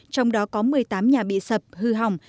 trong đó có một mươi tám nhà bị sập hư hỏng